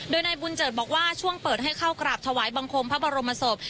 โดยนายบุญเจิดบอกว่าช่วงเปิดให้เข้ากราบถวายบังคมพระบรมศพ